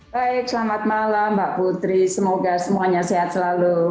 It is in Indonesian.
baik selamat malam mbak putri semoga semuanya sehat selalu